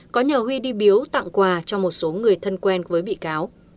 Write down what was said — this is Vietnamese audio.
có nhờ huy đi biếu tặng quà cho một số người thân quen với bị cáo